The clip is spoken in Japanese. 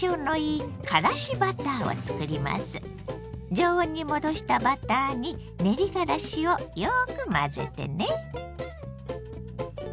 常温に戻したバターに練がらしをよく混ぜてね。